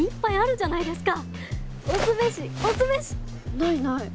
ないない。